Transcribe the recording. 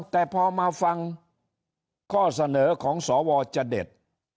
แต่พอมาฟังข้อเสนอของสวจะเด็ด